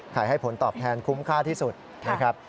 ให้ผลตอบแทนคุ้มค่าที่สุดนะครับ